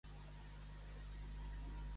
I a la de Comuns Federalistes?